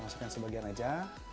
masukkan sebagian aja